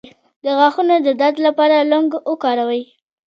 د غاښونو د درد لپاره لونګ وکاروئ